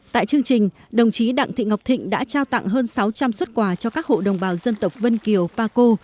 tại chương trình đồng chí đặng thị ngọc thịnh đã trao tặng hơn sáu trăm linh xuất quà cho các hộ đồng bào dân tộc vân kiều pa co